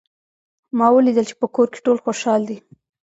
ما ولیدل چې په کور کې ټول خوشحال دي